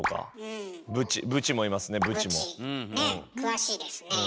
詳しいですねえ。